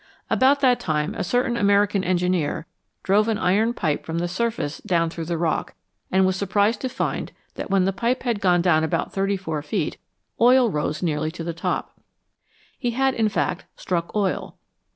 About that time a certain American engineer drove an iron pipe from the surface down through the rock, and was surprised to find that when the pipe had gone down about thirty four feet, oil rose nearly to the top. He had in fact " struck oil."